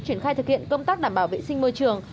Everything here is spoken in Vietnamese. triển khai thực hiện công tác đảm bảo vệ sinh môi trường